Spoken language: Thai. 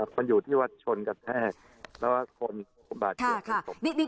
มันอยู่ที่วัดชนกระแทกแล้วคนบาดเกี่ยว